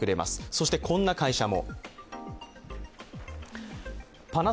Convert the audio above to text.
そしてこんな会社も。